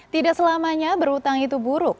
tidak selamanya berhutang itu buruk